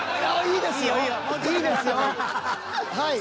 ［はい］